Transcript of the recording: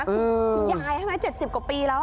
คุณยาย๗๐กว่าปีแล้วค่ะ